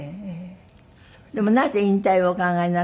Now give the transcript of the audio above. でもなぜ引退をお考えになったの？